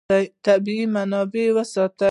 طبیعي منابع وساتئ.